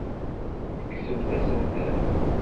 Tekksemt-asen-ten.